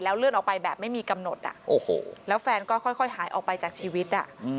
เลื่อนออกไปแบบไม่มีกำหนดแล้วแฟนก็ค่อยหายออกไปจากชีวิต